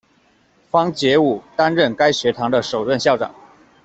方解吾担任该学堂的首任校长。